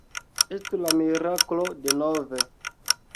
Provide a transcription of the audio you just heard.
Estu la miraklo denove!